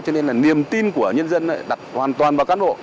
cho nên là niềm tin của nhân dân đặt hoàn toàn vào cán bộ